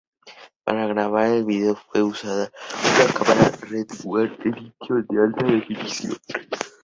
Para grabar el video fue usada una cámara Red One Edition de alta definición.